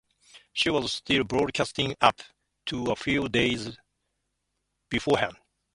She was still broadcasting up to a few days beforehand.